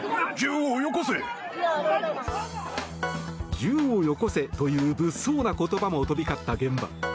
銃をよこせという物騒な言葉も飛び交った現場。